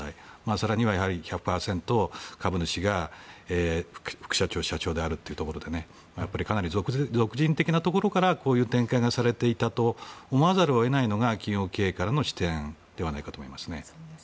更には、１００％株主が副社長、社長であるというところでかなり俗人的なところからこういう展開がされていたと思わざるを得ないというのが企業経営からの視点だと思います。